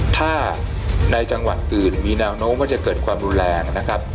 ถ้าในจังหวัดอื่นมีนาวน้วมันจะเกิดความรุนแรง